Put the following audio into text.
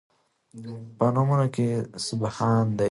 په نومونو کې سبحان دی